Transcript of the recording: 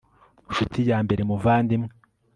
nshuti ya mbere muvandimwe